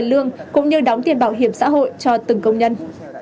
mình đón tiền bảo hiểm xã hội cho từng công nhân